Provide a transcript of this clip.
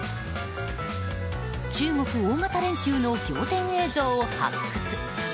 中国大型連休の仰天映像を発掘。